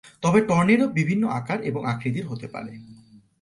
তবে টর্নেডো বিভিন্ন আকার এবং আকৃতির হতে পারে।